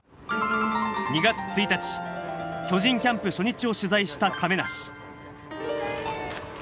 ２月１日、巨人キャンプ初日を取材した亀梨。